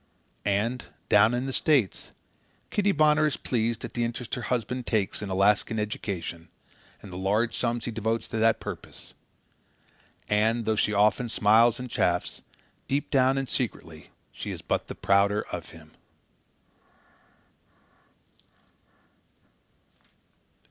And, down in the States, Kitty Bonner is pleased at the interest her husband takes in Alaskan education and the large sums he devotes to that purpose; and, though she often smiles and chaffs, deep down and secretly she is but the prouder of him.